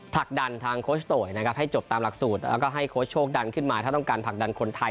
ผลักดันทางโค้ชโตยนะครับให้จบตามหลักสูตรแล้วก็ให้โค้ชโชคดันขึ้นมาถ้าต้องการผลักดันคนไทย